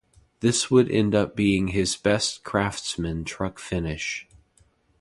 This would end up being his best Craftsman Truck finish.